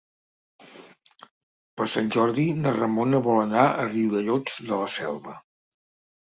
Per Sant Jordi na Ramona vol anar a Riudellots de la Selva.